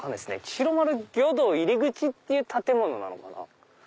「白丸魚道入口」っていう建物なのかな？